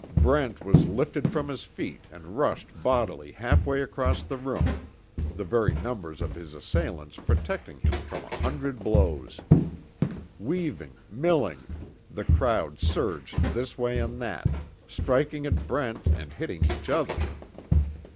Brent was lifted from his feet and rushed bodily half way across the room, the very numbers of his assailants protecting him from a hundred blows. Weaving milling, the crowd surged this way and that, striking at Brent, and hitting each other.